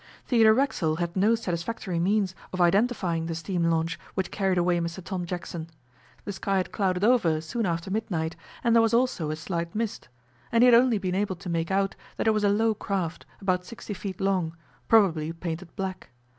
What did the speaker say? Theodore Racksole had no satisfactory means of identifying the steam launch which carried away Mr Tom Jackson. The sky had clouded over soon after midnight, and there was also a slight mist, and he had only been able to make out that it was a low craft, about sixty feet long, probably painted black.